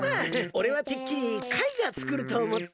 おれはてっきりカイがつくるとおもって。